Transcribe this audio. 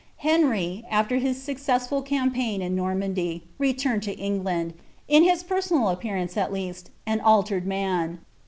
Henry, oRei his successful campaign iti Normandy, returned to Eng land— ni his personal appearance, ut least, an altered man.